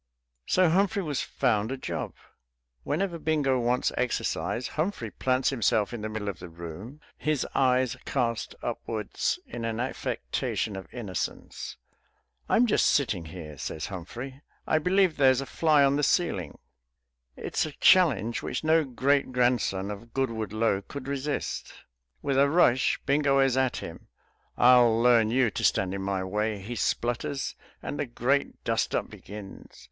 So Humphrey was found a job. Whenever Bingo wants exercise, Humphrey plants himself in the middle of the room, his eyes cast upwards in an affectation of innocence. "I'm just sitting here," says Humphrey; "I believe there's a fly on the ceiling." It is a challenge which no great grandson of Goodwood Lo could resist. With a rush Bingo is at him. "I'll learn you to stand in my way," he splutters. And the great dust up begins....